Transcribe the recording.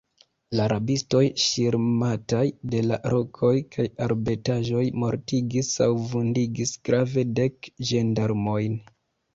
La rabistoj, ŝirmataj de la rokoj kaj arbetaĵoj, mortigis aŭ vundigis grave dek ĝendarmojn.